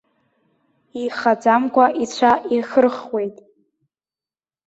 Ихаӡамкәа ицәа ихырхуеит.